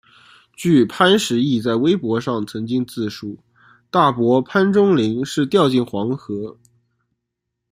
据潘石屹在微博上曾经自述大伯潘钟麟是掉进黄河。